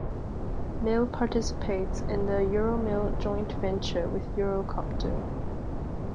Mil participates in the Euromil joint venture with Eurocopter.